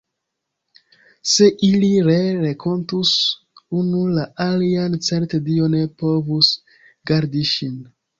Se ili ree renkontus unu la alian, certe Dio ne povus gardi ŝin!